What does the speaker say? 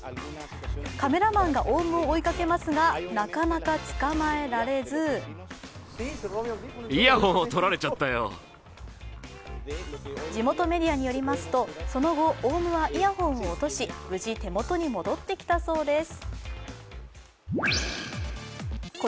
カメラマンがオウムを追いかけますが、なかなか捕まえられず地元メディアによりますとその後、オウムはイヤホンを落とし無事、手元に戻ってきたそうです。